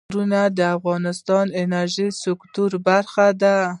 غرونه د افغانستان د انرژۍ سکتور برخه ده.